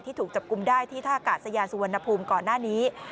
ถูกจับกลุ่มได้ที่ท่ากาศยานสุวรรณภูมิก่อนหน้านี้